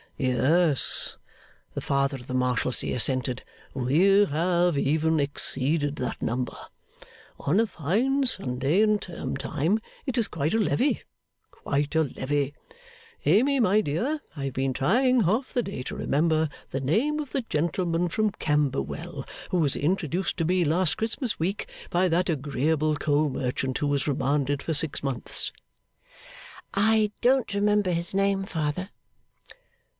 'Yes!' the Father of the Marshalsea assented. 'We have even exceeded that number. On a fine Sunday in term time, it is quite a Levee quite a Levee. Amy, my dear, I have been trying half the day to remember the name of the gentleman from Camberwell who was introduced to me last Christmas week by that agreeable coal merchant who was remanded for six months.' 'I don't remember his name, father.